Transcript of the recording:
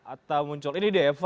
atau muncul ini dia eva